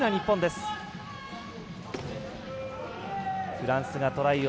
フランスがトライ。